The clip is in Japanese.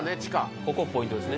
ここポイントですね。